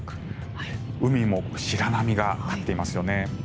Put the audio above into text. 海も白波が立っていますよね。